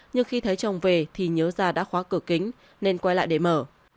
nhưng khi thấy chồng về thì nhớ già đã khóa cửa kính nên quay lại để mở